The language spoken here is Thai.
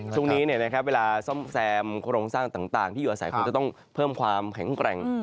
ช่วงนี้เวลาซ่อมแซมโครงสร้างต่างที่อยู่อาศัยคงจะต้องเพิ่มความแข็งแกร่ง